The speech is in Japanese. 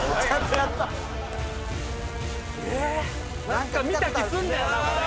何か見た気すんだよなこれ。